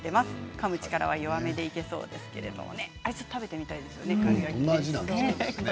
かむ力、弱めていきそうですけれども食べてみたいですね。